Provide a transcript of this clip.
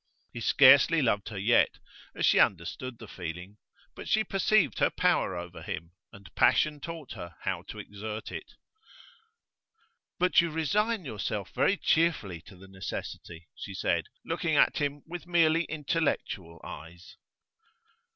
He scarcely loved her yet, as she understood the feeling, but she perceived her power over him, and passion taught her how to exert it. 'But you resign yourself very cheerfully to the necessity,' she said, looking at him with merely intellectual eyes.